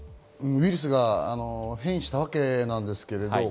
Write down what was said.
ウイルスが変異したわけですけれど。